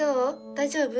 大丈夫？